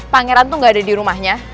pangeran tuh gak ada di rumahnya